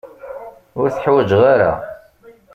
Ur t-ḥwaǧeɣ ara.